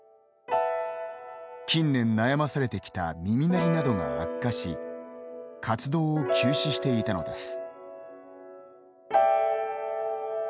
近年、悩まされてきた耳鳴りなどが悪化し活動を休止していたのです。